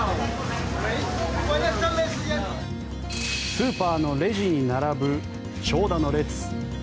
スーパーのレジに並ぶ長蛇の列。